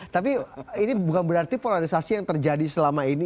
tapi ini bukan berarti polarisasi yang terjadi selama ini